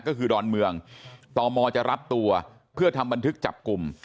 ก็คือดอนเมืองตมจะรับตัวเพื่อทำบันทึกจับกลุ่ม